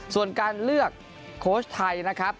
ส่วนการเลือกโค้ชไทยนะครับ